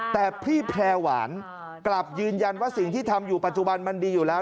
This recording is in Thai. แต่พี่แพร่หวานกลับยืนยันว่าสิ่งที่ทำอยู่ปัจจุบันมันดีอยู่แล้ว